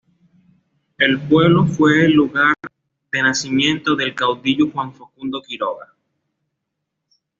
El pueblo fue el lugar de nacimiento del caudillo Juan Facundo Quiroga.